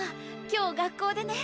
今日学校でね